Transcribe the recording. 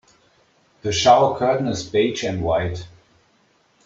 The shower curtain is beige and white.